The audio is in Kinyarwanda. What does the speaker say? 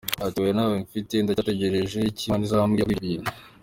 Ati “ Oya ntawe mfite , ndacyategereje icyo Imana izambwira kuri ibyo bintu.